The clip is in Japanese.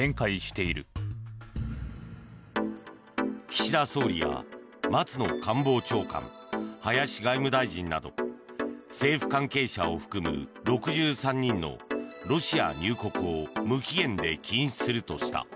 岸田総理や松野官房長官林外務大臣など政府関係者を含む６３人のロシア入国を無期限で禁止するとした。